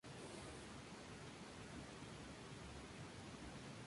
El primer día de clase en Costa Rica es a principios de febrero.